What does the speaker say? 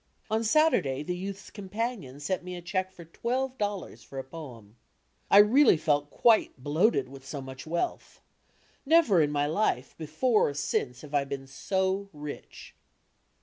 On Saturday the Youth's Companion sent me a cheque for twelve dollars for a poem. I really felt quite bloated with so much wealth. Never in my life, before or since have I been so rich!